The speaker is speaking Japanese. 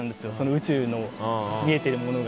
宇宙の見えているものが。